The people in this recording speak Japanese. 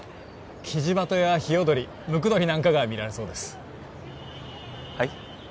キジバトやヒヨドリムクドリなんかが見られそうですはい？